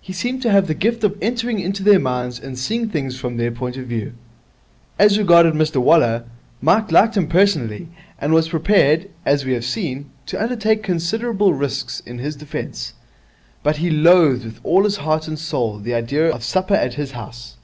He seemed to have the gift of entering into their minds and seeing things from their point of view. As regarded Mr Waller, Mike liked him personally, and was prepared, as we have seen, to undertake considerable risks in his defence; but he loathed with all his heart and soul the idea of supper at his house.